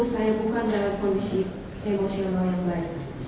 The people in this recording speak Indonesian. saya bukan dalam kondisi emosional yang baik